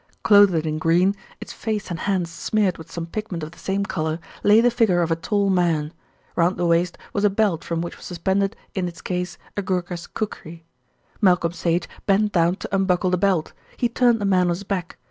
Clothed in green, its face and hands smeared with some pigment of the same colour, lay the figure of a tall man. Round the waist was a belt from which was suspended in its case a Gurkha's kukri. Malcolm Sage bent down to unbuckle the belt. He turned the man on his back.